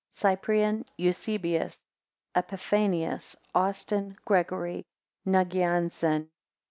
Cyprian, Eusebius, Epiphanius, Austin, Gregory, Nagianzen.